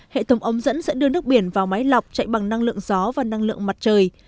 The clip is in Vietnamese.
hệ thống ống dẫn sẽ đưa nước biển vào máy lọc chạy bằng năng lượng gió và năng lượng mặt trời